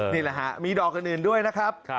นี่ละครับมีดอกอื่นด้วยนะครับ